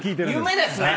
夢ですね。